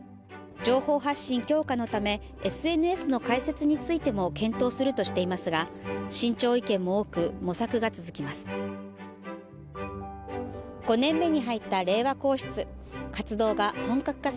情報発信強化のためＳＮＳの開設についても検討するとしていますが慎重意見も多く、模索が続きます。